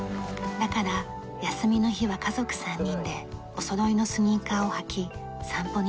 だから休みの日は家族３人でおそろいのスニーカーを履き散歩に出ます。